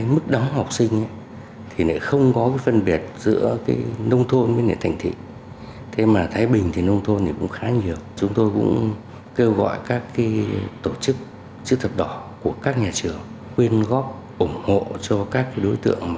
mặc dù chúng tôi vận động quyên góp ủng hộ nhưng người ta vẫn không nhận